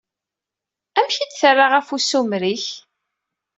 Amek i d-terra ɣef usumer-ik?